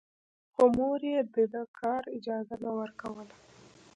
خو مور يې د کار اجازه نه ورکوله.